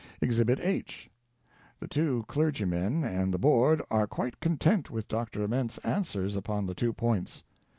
EXHIBIT H. The two clergymen and the Board are quite content with Dr. Ament's answers upon the two points.